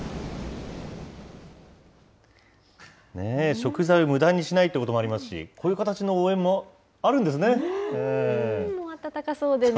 食材をむだにしないということもありますし、こういう形の応援もあるんですね。